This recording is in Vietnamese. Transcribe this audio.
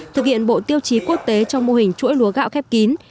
thực hiện bộ tiêu chí quốc tế trong mô hình chuỗi lúa gạo khép kín